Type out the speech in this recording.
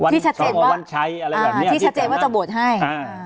ที่ชัดเจนว่าจะโหวตให้